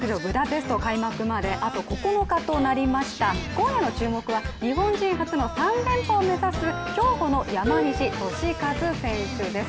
今夜の注目は、日本人初の３連覇を目指す競歩の山西利和選手です。